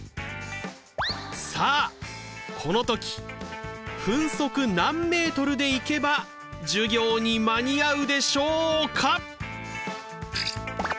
さあこの時分速何メートルで行けば授業に間に合うでしょうか？